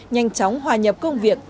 nhanh chóng hòa nhập công việc